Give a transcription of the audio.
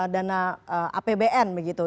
dana apbn begitu